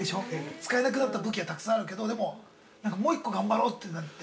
使えなくなった武器はたくさんあるけど、でも、なんかもう一個頑張ろうってなって。